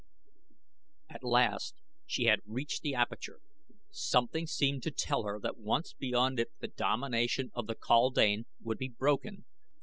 At last she had reached the aperture. Something seemed to tell her that once beyond it the domination of the kaldane would be broken.